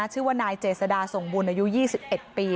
ชื่อว่านายเจษดาส่งบุญอายุ๒๑ปี